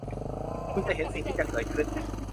คุณเห็นสิ่งที่จะเกิดขึ้น